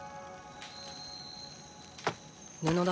布だ。